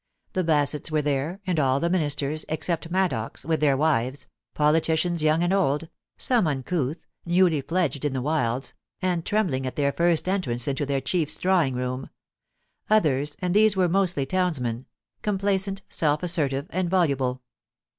The Bassetts were there, and all the Ministers, except Maddox, with their wives — politicians young and old, some uncouth, newly fledged in the wilds, and trembling at their first entrance into their chiefs drawing room ; others (and these were mostly townsmen) complacent, self assertive, and voluble.